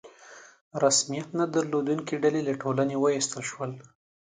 رسمیت نه درلودونکي ډلې له ټولنې ویستل شول.